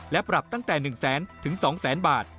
และปรับตั้งแต่๑๐๐๐๐๐๒๐๐๐๐๐บาท